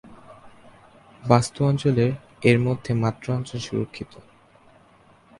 বাস্তু-অঞ্চলের -এর মধ্যে মাত্র অঞ্চল সুরক্ষিত।